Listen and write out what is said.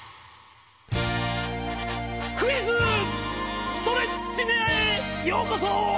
クイズ・ストレッチネアへようこそ！